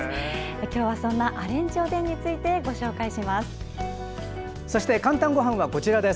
今日はそんなアレンジおでんについてご紹介します。